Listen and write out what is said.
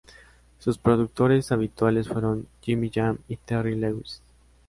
Sus productores habituales fueron Jimmy Jam y Terry Lewis.